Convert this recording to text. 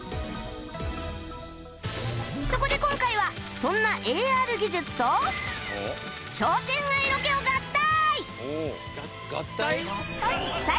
そこで今回はそんな ＡＲ 技術と商店街ロケを合体！